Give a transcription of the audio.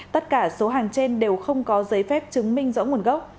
tất cả số hàng trên đều không có giấy phép chứng minh rõ nguồn gốc